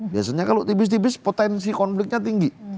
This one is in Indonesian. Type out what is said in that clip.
biasanya kalau tipis tipis potensi konfliknya tinggi